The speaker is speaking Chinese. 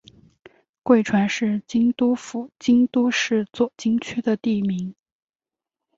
贵船是京都府京都市左京区的地名。